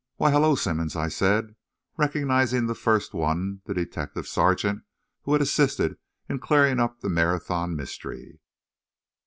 "Why, hello, Simmonds," I said, recognising in the first one the detective sergeant who had assisted in clearing up the Marathon mystery.